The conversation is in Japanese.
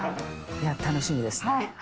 楽しみですね。